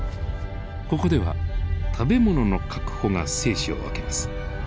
ここでは食べ物の確保が生死を分けます。